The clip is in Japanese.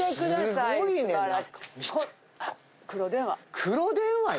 黒電話よ！